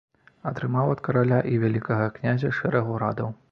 Атрымаў ад караля і вялікага князя шэраг урадаў.